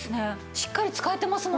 しっかり使えてますもんね。